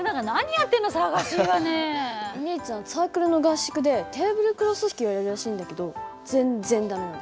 お兄ちゃんサークルの合宿でテーブルクロス引きをやるらしいんだけど全然駄目なの。